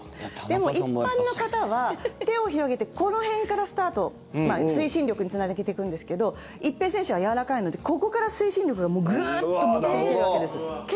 でも、一般の方は手を広げてこの辺からスタート推進力につなげていくんですけど一平選手はやわらかいのでここから推進力がもうグーッと持っていけるわけです。